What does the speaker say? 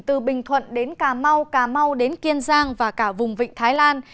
từ bình thuận đến cà mau cà mau đến kiên giang và cả vùng vịnh thái lan